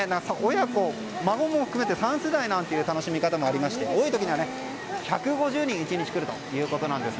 親子、孫も含めて３世代という楽しみ方もありまして多い時には１５０人１日に来るということです。